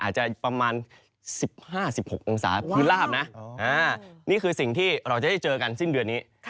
อาจจะประมาณ๑๕๑๖องศาคือลาบนะนี่คือสิ่งที่เราจะได้เจอกันสิ้นเดือนนี้